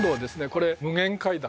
これ無限階段